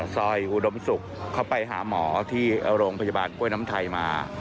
อุดมศุกร์เขาไปหาหมอที่โรงพยาบาลกล้วยน้ำไทยมา